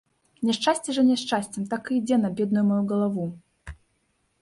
Няшчасце за няшчасцем так і ідзе на бедную маю галаву!